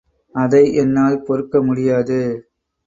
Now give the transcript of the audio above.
அதை என்னால் பொறுக்க முடியாது.